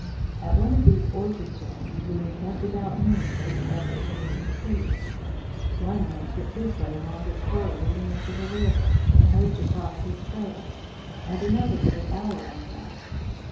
At one of these orchard grounds, we encamped about noon to make an effort for Mr. Preuss. One man took his way along a spur leading into the river, in hope to cross his trail, and another took our own back.